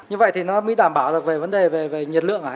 như vậy thì nó mới đảm bảo được về vấn đề về nhiệt lượng